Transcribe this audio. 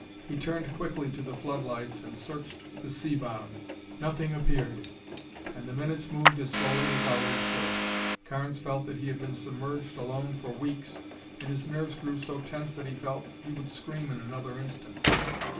He turned quickly to the floodlights and searched the sea bottom. Nothing appeared, and the minutes moved as slowly as hours should. Carnes felt that he had been submerged alone for weeks, and his nerves grew so tense that he felt that he would scream in another instant.